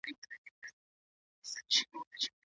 خو د افغانستان کیفیت تر دوی لوړ دی.